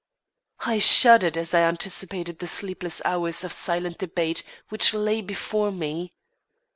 I shuddered as I anticipated the sleepless hours of silent debate which lay before me.